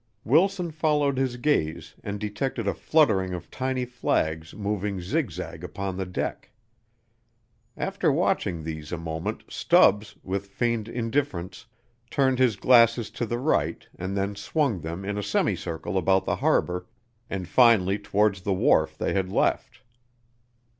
Wilson followed his gaze and detected a fluttering of tiny flags moving zigzag upon the deck. After watching these a moment Stubbs, with feigned indifference, turned his glasses to the right and then swung them in a semicircle about the harbor, and finally towards the wharf they had left.